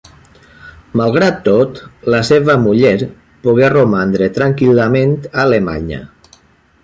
Malgrat tot, la seva muller pogué romandre tranquil·lament a Alemanya.